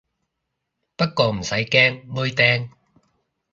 不過唔使驚，妹釘